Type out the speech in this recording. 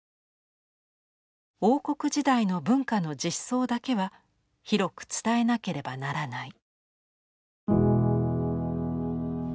「王国時代の文化の実相だけは広く伝えなければならない」。